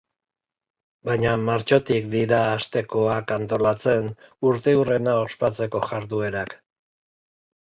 Baina martxotik dira hastekoak antolatzen, urteurrena ospatzeko jarduerak.